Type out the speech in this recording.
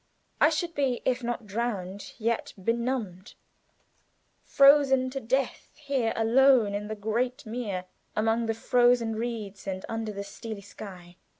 I should be, if not drowned, yet benumbed, frozen to death here alone in the great mere, among the frozen reeds and under the steely sky.